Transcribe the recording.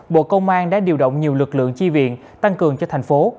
bộ công an đã điều động nhiều lực lượng chi viện tăng cường cho thành phố